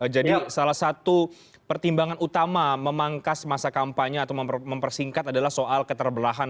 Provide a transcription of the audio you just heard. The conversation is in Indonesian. jadi salah satu pertimbangan utama memangkas masa kampanye atau mempersingkat adalah soal keterbelahan